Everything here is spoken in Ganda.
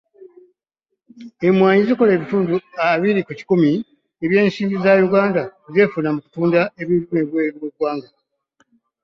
Emmwanyi zikola ebitundu abiri ku kikumi eby’ensimbi Uganda z’efuna mu kutunda ebintu ebweru w’eggwanga.